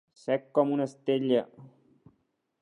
Sec com una estella.